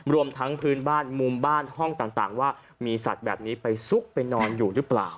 รวมทั้งพื้นบ้านมุมบ้านห้องต่างว่ามีสัตว์แบบนี้ไปซุกไปนอนอยู่หรือเปล่า